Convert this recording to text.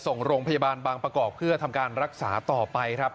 ส่งโรงพยาบาลบางประกอบเพื่อทำการรักษาต่อไปครับ